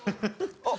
あっ！